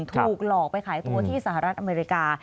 ถูกหลอกไปขายตัวที่สหรัฐอเมริกา